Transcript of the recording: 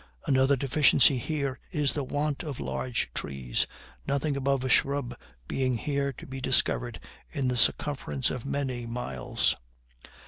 Another deficiency here is the want of large trees, nothing above a shrub being here to be discovered in the circumference of many miles.